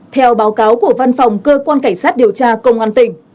theo báo cáo của văn phòng cơ quan cảnh sát điều tra công an tỉnh